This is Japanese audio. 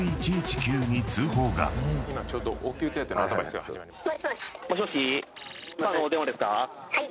今ちょうど応急手当てのアドバイスが始まります。